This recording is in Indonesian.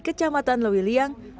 di kota kedengar